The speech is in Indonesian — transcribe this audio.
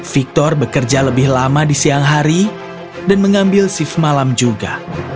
victor bekerja lebih lama di siang hari dan mengambil shift malam juga